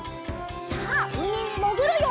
さあうみにもぐるよ！